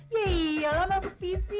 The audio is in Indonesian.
ya iyalah masuk tv